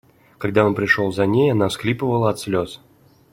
Когда он пришел за ней, она всхлипывала от слез.